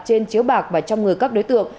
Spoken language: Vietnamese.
trên chiếu bạc và trong người các đối tượng